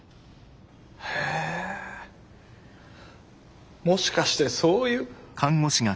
へェもしかしてそういう。